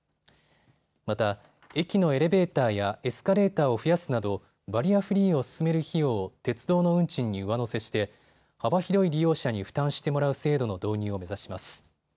また、駅のエレベーターやエスカレーターを増やすなどバリアフリーを進める費用を鉄道の運賃に上乗せして幅広い利用者に負担してもらう制度の導入を目指します。